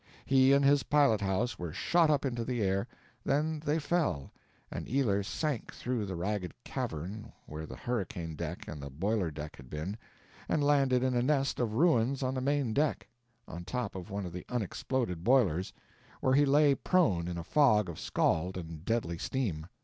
He and his pilot house were shot up into the air; then they fell, and Ealer sank through the ragged cavern where the hurricane deck and the boiler deck had been, and landed in a nest of ruins on the main deck, on top of one of the unexploded boilers, where he lay prone in a fog of scald and deadly steam.